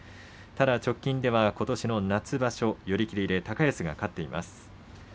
直近では、ことしの夏場所寄り切りで高安が勝っています。